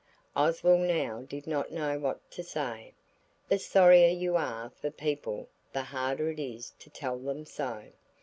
Oswald now did not know what to say. The sorrier you are for people the harder it is to tell them so.